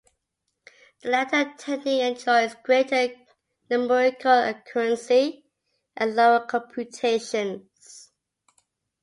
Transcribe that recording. The latter technique enjoys greater numerical accuracy and lower computations.